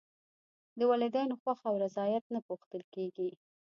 د والدینو خوښه او رضایت نه پوښتل کېږي.